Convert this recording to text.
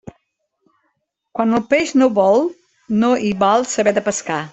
Quan el peix no vol, no hi val saber de pescar.